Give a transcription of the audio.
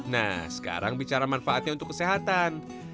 nah sekarang bicara manfaatnya untuk kesehatan